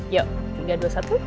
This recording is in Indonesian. yuk tiga dua satu